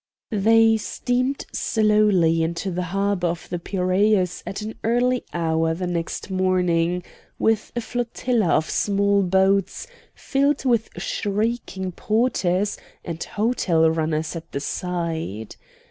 They steamed slowly into the harbor of the Piraeus at an early hour the next morning, with a flotilla of small boats filled with shrieking porters and hotel runners at the sides.